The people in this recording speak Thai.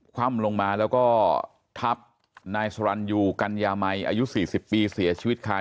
คว่ำลงมาแล้วก็ทับนายสรรยูกัญญามัยอายุ๔๐ปีเสียชีวิตค่ะ